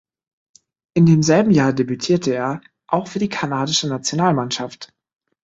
In demselben Jahr debütierte er auch für die kanadische Nationalmannschaft.